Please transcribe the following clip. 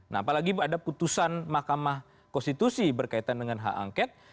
nah apalagi ada putusan mahkamah konstitusi berkaitan dengan hak angket